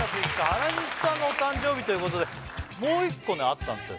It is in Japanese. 原西さんのお誕生日ということでもう１個あったんですよ